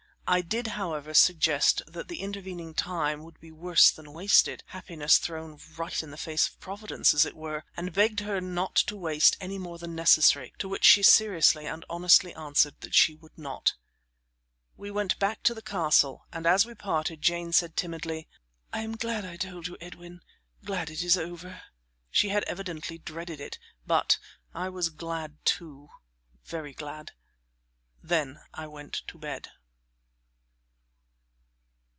I did, however, suggest that the intervening time would be worse than wasted happiness thrown right in the face of Providence, as it were and begged her not to waste any more than necessary; to which she seriously and honestly answered that she would not. We went back to the castle, and as we parted Jane said timidly: "I am glad I told you, Edwin; glad it is over." She had evidently dreaded it; but I was glad, too; very glad. Then I went to bed.